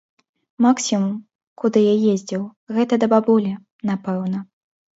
Максімум, куды я ездзіў, гэта да бабулі, напэўна.